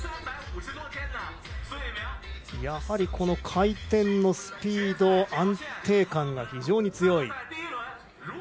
やはりこの回転のスピード安定感が非常に強い蘇翊鳴。